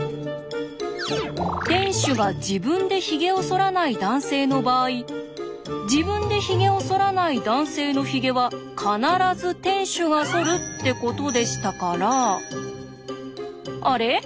店主が自分でヒゲをそらない男性の場合自分でヒゲをそらない男性のヒゲは必ず店主がそるってことでしたからあれ？